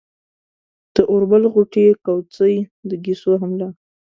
د اوربل غوټې، کوڅۍ، د ګيسو هم لا